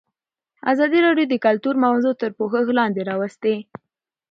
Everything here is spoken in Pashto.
ازادي راډیو د کلتور موضوع تر پوښښ لاندې راوستې.